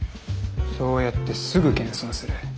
そうやってすぐ謙遜する。